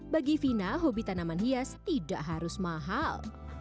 bagi vina hobi tanaman hias tidak harus mahal